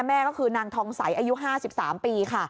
แม่ก็คือนางทองสัยอายุ๕๓ปี